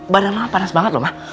badan mama panas banget ma